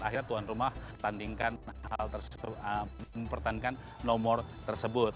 akhirnya tuan rumah pertandingkan nomor tersebut